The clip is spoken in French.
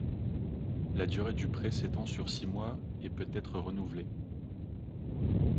La durée du prêt s'étend sur six mois et peut être renouvelée.